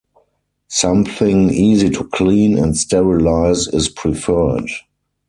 Something easy to clean and sterilize is preferred.